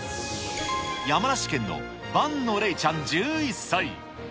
山梨県の伴野嶺ちゃん１１歳。